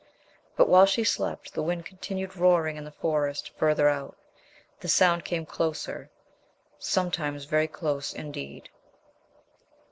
But while she slept the wind continued roaring in the Forest further out. The sound came closer sometimes very close indeed.